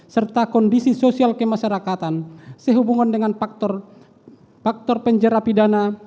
serta kondisi sosial kemasyarakatan sehubungan dengan faktor penjara pidana